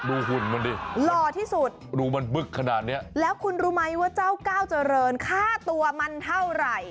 หุ่นมันดิหล่อที่สุดดูมันบึกขนาดเนี้ยแล้วคุณรู้ไหมว่าเจ้าก้าวเจริญค่าตัวมันเท่าไหร่